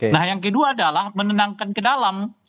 nah yang kedua adalah menenangkan ke dalam